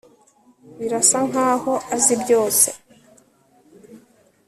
Birasa nkaho azi byose